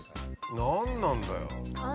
何なんだよ？